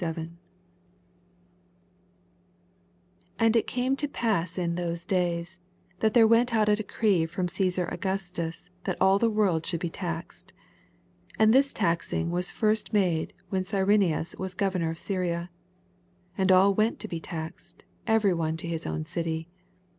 1 And it cftine to pass In those days, ihat there went oat a decree from C»8ar AngnBtns, that all the world should be taxed. 2 {And this taxmg was first made when Cyrenius was governor of Syria.) 8 And all went to be taxed, every one into his own city.